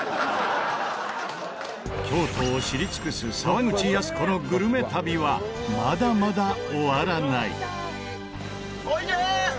京都を知り尽くす沢口靖子のグルメ旅はまだまだ終わらない。